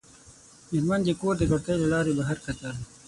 مېرمن د کور د کړکۍ له لارې بهر کتل.